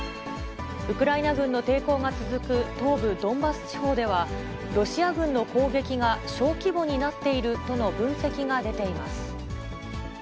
ウクライナ軍の抵抗が続く東部ドンバス地方では、ロシア軍の攻撃が小規模になっているとの分析が出ています。